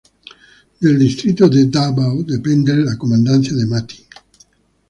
Del distrito de Dávao depende la comandancia de Mati.